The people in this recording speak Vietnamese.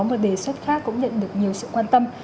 một đề xuất khác cũng nhận được nhiều sự quan tâm